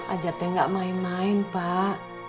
ajatnya nggak main main pak